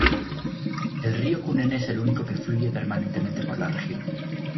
El río Cunene es el único que fluye permanentemente por la región.